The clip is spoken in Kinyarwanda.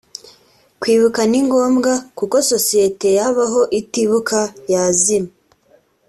Kwibuka ni ngombwa kuko sosiyete yabaho itibuka yazima